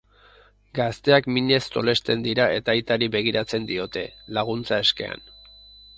Gazteak minez tolesten dira eta aitari begiratzen diote, laguntza eskean.